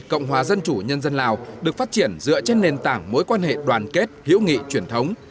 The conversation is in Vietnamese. cộng hòa dân chủ nhân dân lào được phát triển dựa trên nền tảng mối quan hệ đoàn kết hữu nghị truyền thống